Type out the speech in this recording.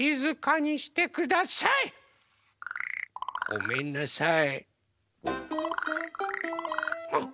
ごめんなさい。